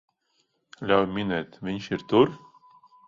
Ļauj minēt, viņš ir tur?